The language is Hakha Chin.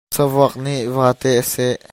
Savuak nih vate a seh.